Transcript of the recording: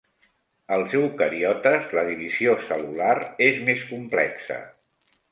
Als eucariotes la divisió cel·lular és més complexa.